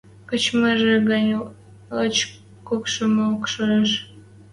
Качмыжы гӹнь лачокшымок шоэш.